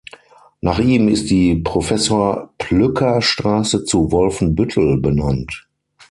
Nach ihm ist die Professor-Plücker-Straße zu Wolfenbüttel benannt.